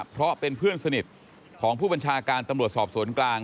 เพราะเป็นเพื่อนสนิทของผู้บัญชาการตำรวจสอบสวนกลาง